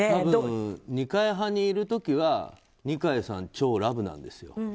多分、二階派にいる時は二階さん超ラブなんですよ。